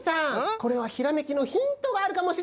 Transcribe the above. これはひらめきのヒントがあるかもしれないよ。